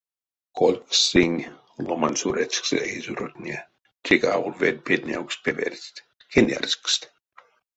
Кольгсть сынь, ломань сур эчксэ эйзюротне, теке аволь ведь петнявкст певердсть — кеняркст.